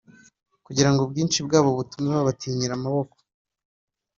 kugirango ubwinshi bwabo butume babatinyira amaboko.